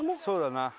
そうだな。